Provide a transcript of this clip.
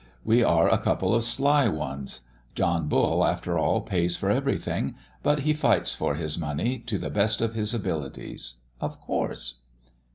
We are a couple of sly ones. John Bull after all pays for everything; but he fights for his money to the best of his abilities. Of course!"